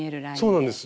そうなんです。